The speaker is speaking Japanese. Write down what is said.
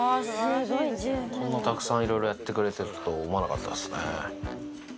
こんなたくさんいろいろやってくれてると思わなかったですね。